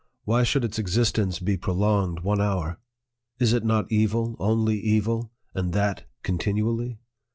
Why should its existence be prolonged one hour ? Is it not evil, only evil, and that con tinually